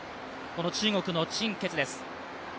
中国の陳ケツです。